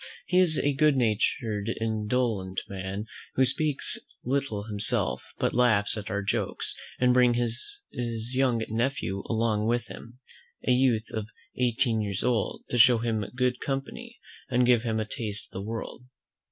He is a good natured indolent man, who speaks little himself, but laughs at our jokes; and brings his young nephew along with him, a youth of eighteen years old, to show him good company, and give him a taste of the world.